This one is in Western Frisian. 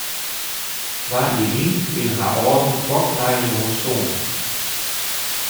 Twa jier lyn binne har âlden fuort nei inoar stoarn.